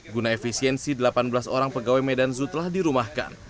guna efisiensi delapan belas orang pegawai medan zoo telah dirumahkan